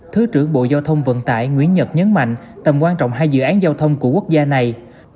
thứ trưởng bộ giao thông vận tải nguyễn nhật nhấn mạnh tầm quan trọng hai dự án giao thông của quốc gia này